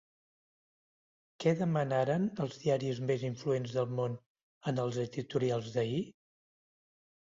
Què demanaren els diaris més influents del món en els editorials d'ahir?